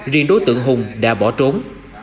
riêng đối tượng hùng đã bỏ trốn